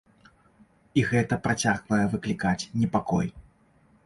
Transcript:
І гэта працягвае выклікаць непакой.